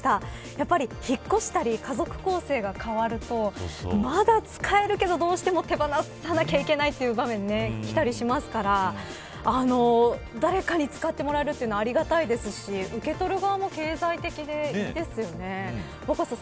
やっぱり引っ越したり家族構成が変わるとまだ使えるけど、どうしても手放さなきゃいけないという場面がきたりしますから誰かに使ってもらえるというのはいいですし受け取る側も経済的でいいですね。